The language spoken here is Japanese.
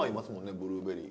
ブルーベリー。